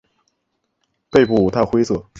背部淡灰色。